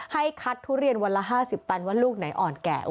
ให้คัดทุเรียนวันละ๕๐ตันว่าลูกไหนอ่อนแก่